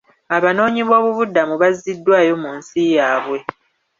Abanoonyiboobubudamu bazziddwayo mu nsi yaabwe.